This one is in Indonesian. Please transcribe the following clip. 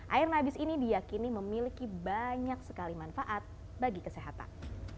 air nabis ini diakini memiliki banyak sekali manfaat bagi kesehatan